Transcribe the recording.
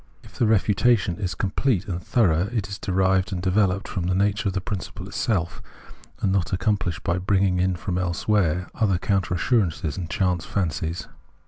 If the refutation is com plete and thorough, it is derived and developed from the nature of the principle itself, and not accomplished by bringing in from elsewhere other coimter assurances and chance fancies.